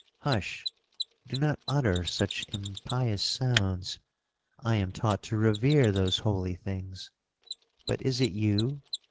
—hush!—do not utter such impious sounds—I am taught to revere those holy things. But is it you?